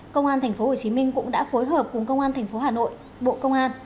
công an tp hcm cũng đã phối hợp cùng công an tp hcm bộ công an